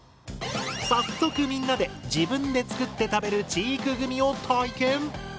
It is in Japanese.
早速みんなで自分で作って食べる知育グミを体験！